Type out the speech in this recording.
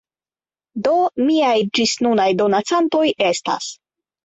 Do, miaj ĝisnunaj donacantoj estas